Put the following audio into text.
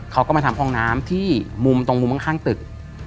เขาก็มาทำห้องน้ำที่มุมตรงมุมข้างตึก